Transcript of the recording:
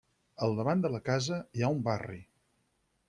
Al davant de la casa hi ha un barri.